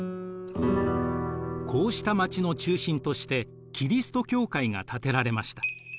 こうした街の中心としてキリスト教会が建てられました。